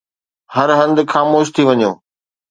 هر هنڌ خاموش ٿي وڃو.